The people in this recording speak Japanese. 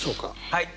はい。